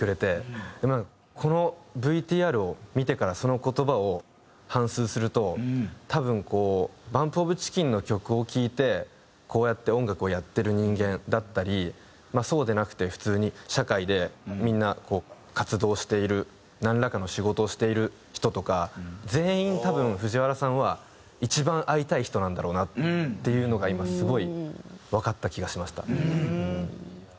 このＶＴＲを見てからその言葉を反芻すると多分こうＢＵＭＰＯＦＣＨＩＣＫＥＮの曲を聴いてこうやって音楽をやってる人間だったりそうでなくて普通に社会でみんな活動しているなんらかの仕事をしている人とか全員多分藤原さんは一番会いたい人なんだろうなっていうのが今すごいわかった気がしました。